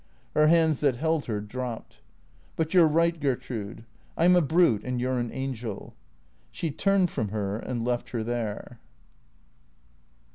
Her hands that held her dropped. " But you 're right, Gertrude. I 'm a brute and you 're an angel." She turned from her and left her there.